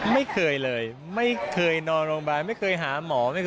ไม่เคยเลยไม่เคยนอนโรงพยาบาลไม่เคยหาหมอ